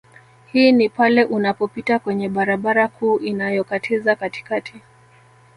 Hii ni pale unapopita kwenye barabara kuu inayokatiza katikati